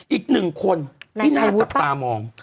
อีก๑คนที่น่าจับตามอง